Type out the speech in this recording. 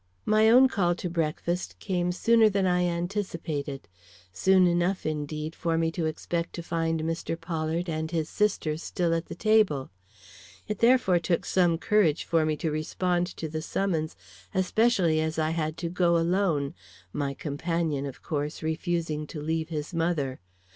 My own call to breakfast came sooner than I anticipated; soon enough, indeed, for me to expect to find Mr. Pollard and his sister still at the table. It therefore took some courage for me to respond to the summons, especially as I had to go alone, my companion, of course, refusing to leave his mother.